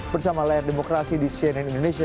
bersama layar demokrasi di cnn indonesia